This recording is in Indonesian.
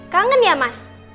kangen ya mas